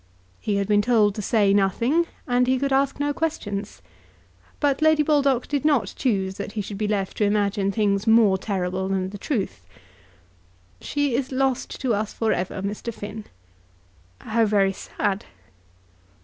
He had been told to say nothing, and he could ask no questions; but Lady Baldock did not choose that he should be left to imagine things more terrible than the truth. "She is lost to us for ever, Mr. Finn." "How very sad."